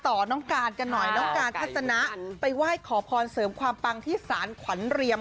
น้องการกันหน่อยน้องการทัศนะไปไหว้ขอพรเสริมความปังที่สารขวัญเรียม